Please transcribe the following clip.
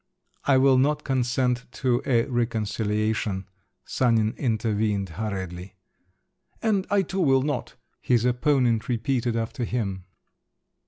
_" "I will not consent to a reconciliation," Sanin intervened hurriedly. "And I too will not," his opponent repeated after him.